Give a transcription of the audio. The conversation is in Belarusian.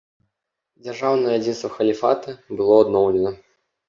Дзяржаўнае адзінства халіфата было адноўлена.